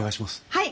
はい。